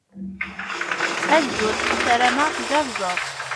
Azul. Sarameɣ tgerrzeḍ.